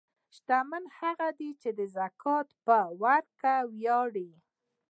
شتمن هغه دی چې د زکات په ورکړه ویاړي.